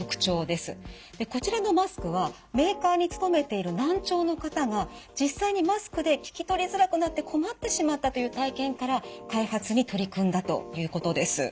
でこちらのマスクはメーカーに勤めている難聴の方が実際にマスクで聞き取りづらくなって困ってしまったという体験から開発に取り組んだということです。